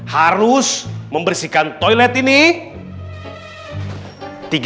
harus membersihkan toilet ini